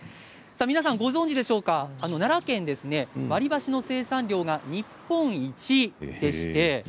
皆さん、ご存じでしょうか奈良県は割り箸の生産量が日本一です。